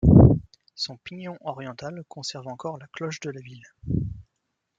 Son pignon oriental conserve encore la cloche de la ville.